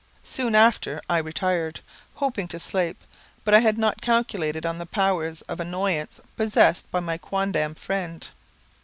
Soon after I retired, hoping to sleep, but I had not calculated on the powers of annoyance possessed by my quondam friend.